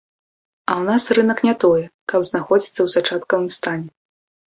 А ў нас рынак не тое, каб знаходзіцца ў зачаткавым стане.